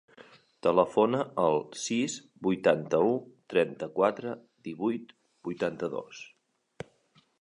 Telefona al sis, vuitanta-u, trenta-quatre, divuit, vuitanta-dos.